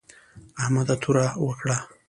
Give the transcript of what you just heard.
احمد توره وکړه